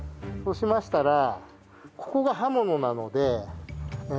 そうしましたらここが刃物なので。